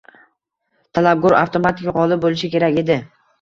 Talabgor avtomatik gʻolib boʻlishi kerak edi.